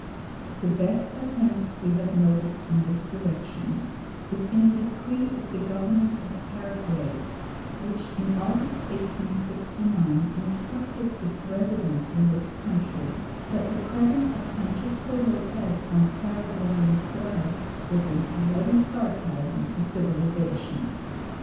The best attempt we have noticed in this direction is in a decree of the Government of Paraguay, which in August 1869 instructed its resident in this country that the presence of Francisco Lopez on Paraguayan soil was "a bloody sarcasm to civilisation."